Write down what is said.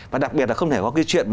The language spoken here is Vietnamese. và đặc biệt là không thể có cái chuyện